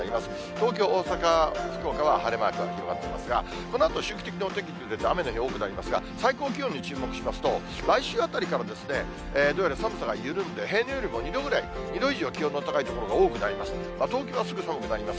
東京、大阪、福岡は晴れマークが並んでますが、このあと周期的にお天気崩れて、雨の日多くなりますが、最高気温に注目しますと、来週あたりからどうやら寒さが緩んで、平年よりも２度ぐらい、２度以上、気温の高い所が多くなります。